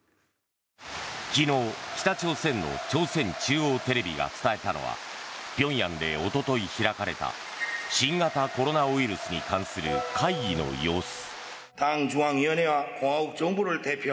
昨日、北朝鮮の朝鮮中央テレビが伝えたのは平壌でおととい開かれた新型コロナウイルスに関する会議の様子。